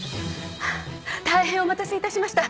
大変お待たせ致しました！